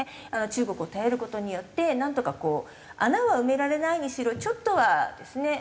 中国を頼る事によってなんとかこう穴は埋められないにしろちょっとはですね